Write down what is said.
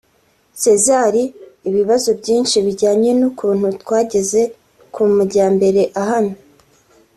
Cesar ibibazo byinshi bijyanye n’ukuntu rwageze ku majyambere ahamye